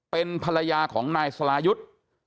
เป็นภรรยาของนายสรายุทธ์